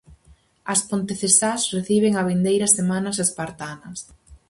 As pontecesás reciben a vindeira semana as espartanas.